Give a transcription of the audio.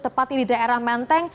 tepatnya di daerah menteng